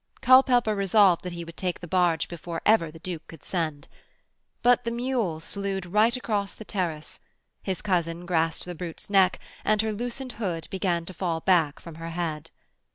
Culpepper resolved that he would take barge before ever the Duke could send. But the mule slewed right across the terrace; his cousin grasped the brute's neck and her loosened hood began to fall back from her head.